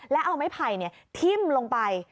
แล้วเอาไม้ไผ่ทิ้มลงไป